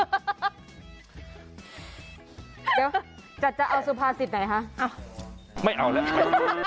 เดี๋ยวจัดจะเอาสุภาสิทธิ์ไหนคะ